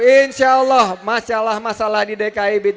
insya allah masalah masalah di dki